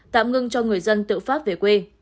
tạm ngưng cho người dân tự phát về quê